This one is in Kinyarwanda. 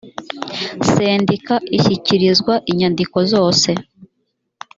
sendika ishyikirizwa inyandiko zose